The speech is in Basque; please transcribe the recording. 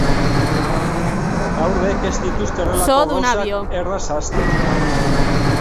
Haurrek ez dituzte horrelako gauzak erraz ahazten.